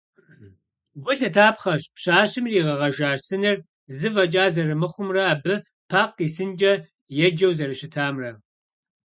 Гу лъытапхъэщ, пщащэм иригъэгъэжа сыныр зы фӏэкӏа зэрымыхъумрэ абы «Пакъ и сынкӏэ» еджэу зэрыщытамрэ.